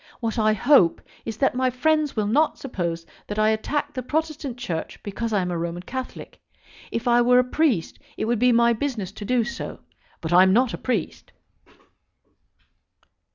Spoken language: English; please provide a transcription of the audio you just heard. What I hope is that my friends will not suppose that I attack the Protestant Church because I am a Roman Catholic. If I were a priest it would be my business to do so; but I am not a priest."